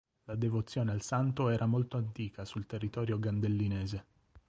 La devozione al santo era molto antica sul territorio gandellinese.